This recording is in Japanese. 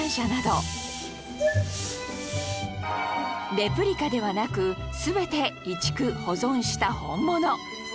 レプリカではなく全て移築・保存した本物